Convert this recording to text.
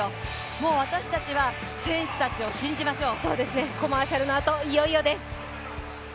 もう私たちは選手たちを信じましょう。